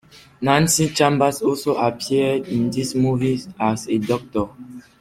Nanci Chambers also appeared in this movie as a doctor.